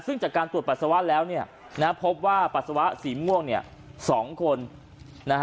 ซึ่งจากการตรวจปัสสาวะแล้วเนี่ยนะฮะพบว่าปัสสาวะสีม่วงเนี่ย๒คนนะฮะ